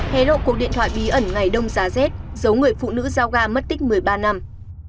hé lộ cuộc điện thoại bí ẩn ngày đông giá rét giấu người phụ nữ giao ga mất tích một mươi ba năm